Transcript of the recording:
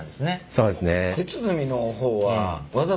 そうですね。